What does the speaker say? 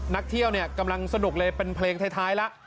นักเที่ยวเนี่ยกำลังสนุกเลยเป็นเพลงท้ายแล้ว